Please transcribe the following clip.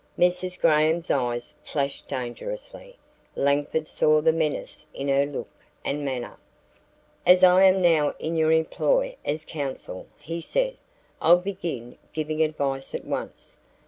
Mrs. Graham's eyes flashed dangerously. Langford saw the menace in her look and manner. "As I am now in your employ as counsel," he said, "I'll begin giving advice at once.